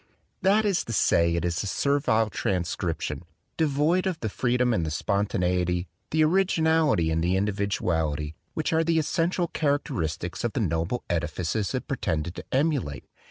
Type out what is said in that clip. That is to say, it is a servile transcription, de void of the freedom and the spontaneity, the originality and the individuality, which are the essential characteristics of the noble edifices it pretended to emulate.